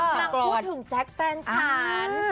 กลับมาพูดถึงแจ็คแฟนฉาน